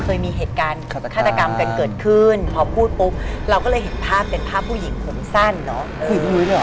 เคยมีเหตุการณ์ฆาตกรรมกันเกิดขึ้นพอพูดปุ๊บเราก็เลยเห็นภาพเป็นภาพผู้หญิงผมสั้นเนาะ